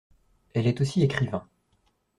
Elle est aussi écrivain.